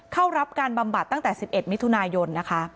เข้ารับการบำบัดตั้งแต่๑๑มิถุนายนนะคะ